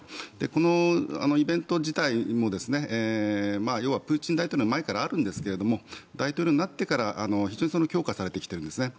このイベント自体も要はプーチン大統領の前からあるんですが大統領になってから非常に強化されてきているんですね。